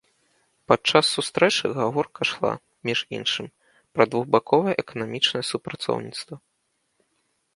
Падчас сустрэчы гаворка ішла, між іншым, пра двухбаковае эканамічнае супрацоўніцтва.